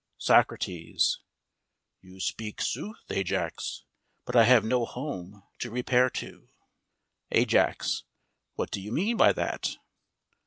SOCRATES: You speak sooth, Ajax, but I have no home to repair to. AJAX: What do you mean by that?